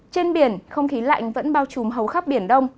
trên biển không khí lạnh vẫn bao trùm hầu khắp biển đông